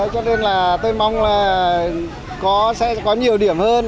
cho nên là tôi mong là sẽ có nhiều điểm hơn